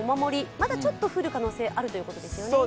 まだちょっと降る可能性あるということですよね。